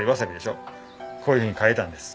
こういうふうに変えたんです。